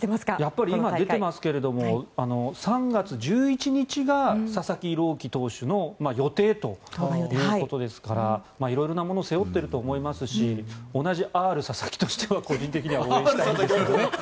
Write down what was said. やっぱり今出ていますけど３月１１日が佐々木朗希投手の予定ということですから色々なものを背負っていると思いますし同じＲ・佐々木としては個人的には応援したいです。